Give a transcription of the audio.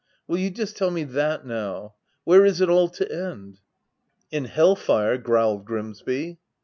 — Will you just tell me that now ?— Where is it all to end V "' In hell fire/ growled Grimsby.